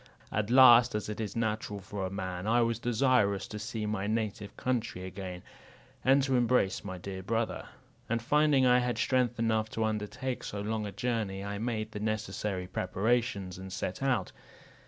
At last, as it is natural for a man, I was desirous to see my native country again, and to embrace my dear brother; and finding I had strength enough to undertake so long a journey, I made the necessary preparations, and set out.